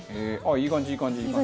いい感じいい感じ。